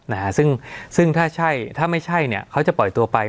นะฮะซึ่งซึ่งถ้าใช่ถ้าไม่ใช่เนี่ยเขาจะปล่อยตัวไป